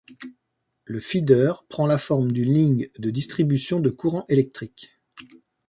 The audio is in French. Le Feeder prend la forme d'une ligne de distribution de courant électrique.